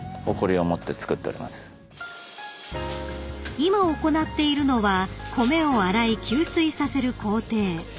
［今行っているのは米を洗い給水させる工程］